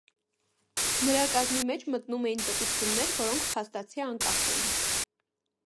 Նրա կազմի մեջ մտնում էին պետություններ, որոնք փաստացի անկախ էին։